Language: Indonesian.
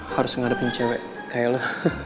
harus ngadepin cewek kayak lu